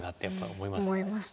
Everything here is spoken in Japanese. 思いますね。